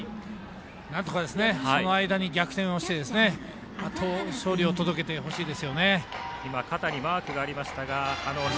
なんとかその間に逆転をして勝利を届けてほしいですよね。